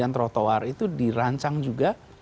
trotoar itu dirancang juga